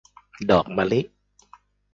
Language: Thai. ดอกมะลิ